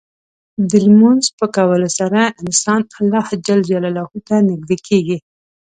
د لمونځ په کولو سره انسان الله ته نږدې کېږي.